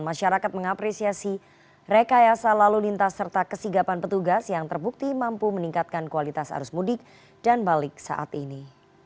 masyarakat mengapresiasi rekayasa lalu lintas serta kesigapan petugas yang terbukti mampu meningkatkan kualitas arus mudik dan balik saat ini